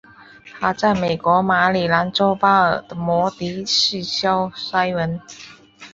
她在美国马里兰州巴尔的摩的市郊塞文。